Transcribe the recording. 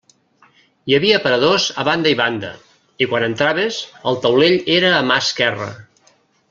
Hi havia aparadors a banda i banda, i quan entraves el taulell era a mà esquerra.